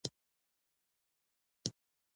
باز د خپل ښکار طمع نه پرېږدي